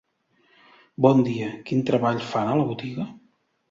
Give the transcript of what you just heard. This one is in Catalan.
Bon dia, quin treball fan a la botiga?